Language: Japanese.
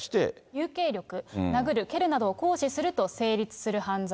有形力、殴る、蹴るなどを行使すると成立する犯罪。